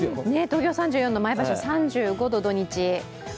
東京３４、前橋３５、土日。